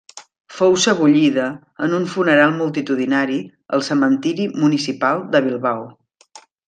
Fou sebollida, en un funeral multitudinari, al cementiri municipal de Bilbao.